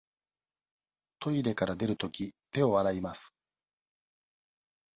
トイレから出るとき、手を洗います。